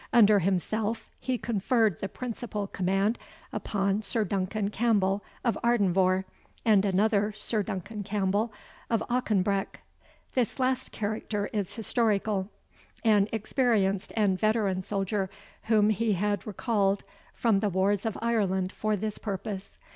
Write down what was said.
Under himself, he conferred the principal command upon Sir Duncan Campbell of Ardenvohr, and another Sir Duncan Campbell of Auchenbreck, [This last character is historical] an experienced and veteran soldier, whom he had recalled from the wars of Ireland for this purpose.